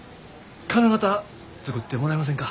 金型作ってもらえませんか？